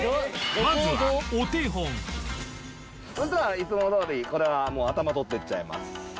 まずはお手本そしたらいつもどおりこれはもう頭取っていっちゃいます。